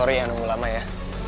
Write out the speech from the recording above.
sorry yang nunggu lama ya